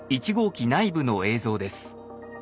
１号機内部の映像です。